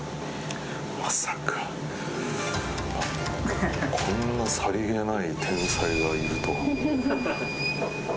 まさかこんなさりげない天才がいるとは。